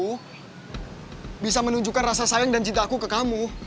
bagaimana caranya supaya aku bisa menunjukkan rasa sayang dan cinta aku ke kamu